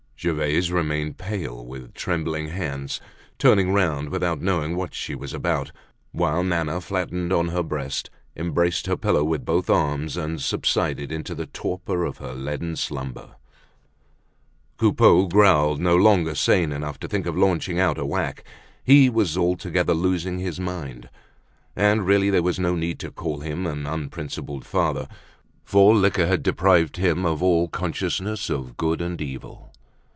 Gervaise remained pale, with trembling hands, turning round without knowing what she was about, whilst Nana, flattened on her breast, embraced her pillow with both arms and subsided into the torpor of her leaden slumber. Coupeau growled, no longer sane enough to think of launching out a whack. He was altogether losing his mind. And really there was no need to call him an unprincipled father, for liquor had deprived him of all consciousness of good and evil.